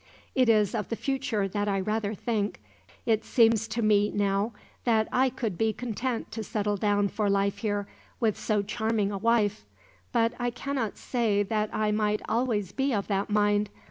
"It is of the future that I rather think. It seems to me, now, that I could be content to settle down for life here, with so charming a wife; but I cannot say that I might always be of that mind.